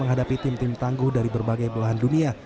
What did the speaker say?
menghadapi tim tim tangguh dari berbagai belahan dunia